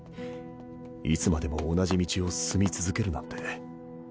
いつまでも同じ道を進み続けるなんて。